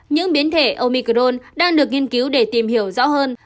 những biến thể omicron đang được nghiên cứu để tìm hiểu rõ hơn